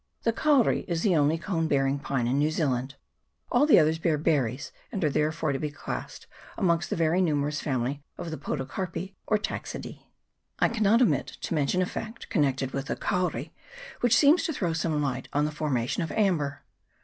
The kauri is the only cone bearing pine in New Zealand ; all the others bear berries, and are there fore to be classed amongst the very numerous family of the Podocarpi or Taxideee. I cannot omit to mention a fact connected with the kauri which seems to throw some light on the formation of amber.